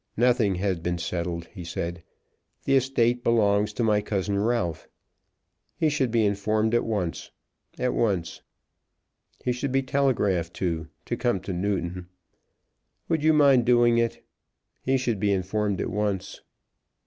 "Nothing has been settled," he said. "The estate belongs to my cousin Ralph. He should be informed at once, at once. He should he telegraphed to, to come to Newton. Would you mind doing it? He should be informed at once."